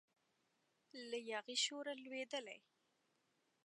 له یاغي شوره لویدلی